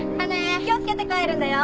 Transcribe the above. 気を付けて帰るんだよ。